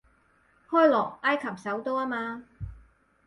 開羅，埃及首都吖嘛